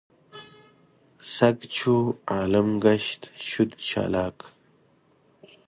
سګ چو عالم ګشت شد چالاک.